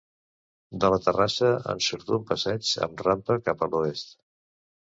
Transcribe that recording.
De la terrassa en surt un passeig amb rampa cap a l'oest.